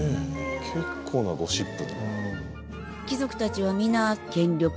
結構なゴシップ。